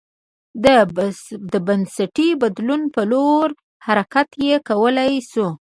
د بنسټي بدلون په لور حرکت یې کولای شو